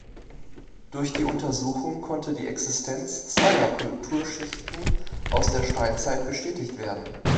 Durch die Untersuchung konnte die Existenz zweier Kulturschichten aus der Steinzeit bestätigt werden.